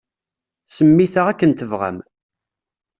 Semmit-aɣ akken tebɣam.